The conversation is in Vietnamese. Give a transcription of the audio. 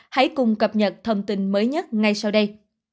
hãy cùng cập nhật thông tin mới nhất ngay sau đây